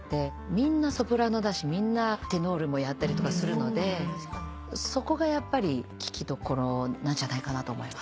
みんなソプラノだしみんなテノールもやったりとかするのでそこがやっぱり聴きどころなんじゃないかなと思います。